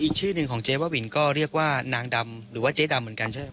อีกชื่อหนึ่งของเจ๊บลาบินก็เรียกว่านางดำก็เจ๊ดำ